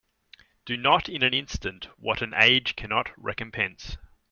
Do not in an instant what an age cannot recompense.